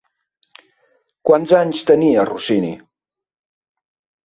Quants anys tenia Rossini?